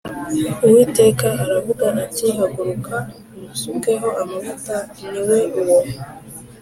Uwiteka aravuga ati “Haguruka umusukeho amavuta, ni we uwo.”